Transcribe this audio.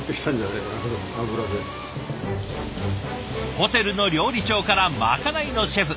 ホテルの料理長からまかないのシェフ。